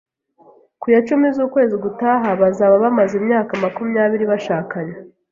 Ku ya cumi z'ukwezi gutaha, bazaba bamaze imyaka makumyabiri bashakanye.